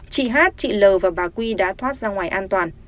chị hát chị l và bà quy đã thoát ra ngoài an toàn